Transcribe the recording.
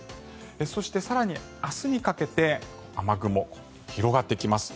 そして、更に明日にかけて雨雲は広がってきます。